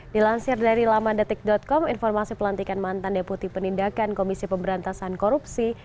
dilansir dari lamandetik com informasi pelantikan mantan deputi penindakan komisi pemberantasan korupsi